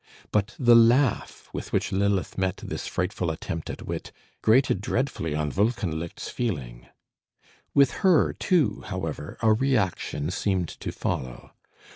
But the laugh with which Lilith met this frightful attempt at wit, grated dreadfully on Wolkenlicht's feeling. With her, too, however, a reaction seemed to follow.